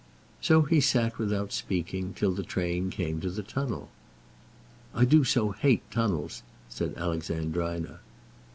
So he sat without speaking, till the train came to the tunnel. "I do so hate tunnels," said Alexandrina.